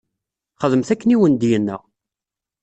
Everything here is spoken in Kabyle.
Xedmet akken i wen-d-yenna.